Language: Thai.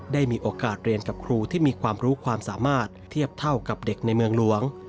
ได้มีโอกาสเรียนกับครูที่มีความรู้ความสามารถเทียบเท่ากับเด็กในเมืองหลวง